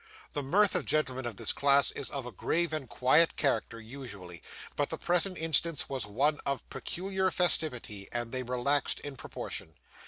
The mirth of gentlemen of this class is of a grave and quiet character, usually; but the present instance was one of peculiar festivity, and they relaxed in proportion.